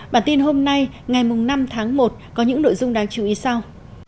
bản tin hôm nay ngày năm tháng một có những nội dung đáng chú ý sau